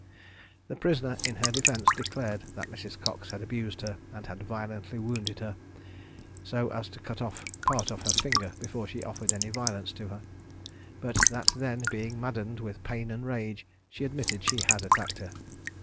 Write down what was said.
The prisoner in her defence declared that Mrs. Cox had abused her, and had violently wounded her, so as to cut off part of her finger before she offered any violence to her; but that then, being maddened with pain and rage, she admitted she had attacked her.